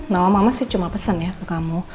no mama sih cuma pesen ya ke kamu